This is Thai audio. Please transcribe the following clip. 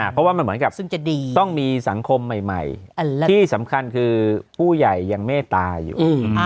เพราะว่ามันเหมือนกับต้องมีสังคมใหม่ที่สำคัญคือผู้ใหญ่ยังเมตตาอยู่